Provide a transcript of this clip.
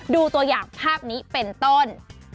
ตัวอย่างภาพนี้เป็นต้น